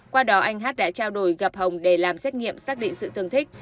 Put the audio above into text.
qua đó anh hát đã trao đổi gặp hồng để làm xét nghiệm xác định sự tương thích